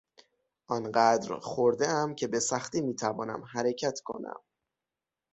آنقدر خوردهام که به سختی میتوانم حرکت کنم.